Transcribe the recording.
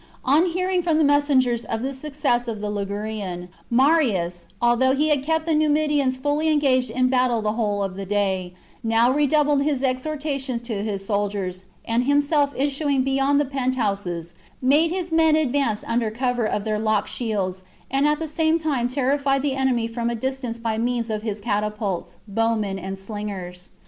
On hearing from messengers of the success of the Ligurian, Marius, although he had kept the Numidians fully engaged in battle the whole of the day, now redoubled his exhor tations to his soldiers, and himself issuing beyond the penthouses, made his men advance under cover of their locked shields, and at the same time terrified the enemy from a distance by means of his catapults, bowmen, and slingers.